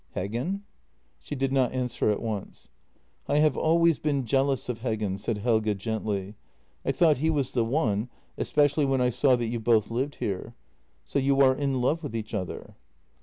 " Heggen? " She did not answer at once. " I have always been jealous of Heggen," said Helge gently. " I thought he was the one, especially when I saw that you both lived here. So you are in love with each other